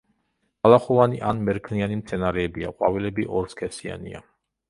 ბალახოვანი ან მერქნიანი მცენარეებია, ყვავილები ორსქესიანია.